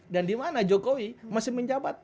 dan dimana jokowi masih menjabat